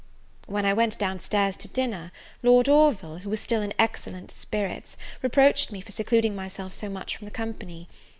When I went down stairs to dinner, Lord Orville, who was still in excellent spirits, reproached me for secluding myself so much from the company.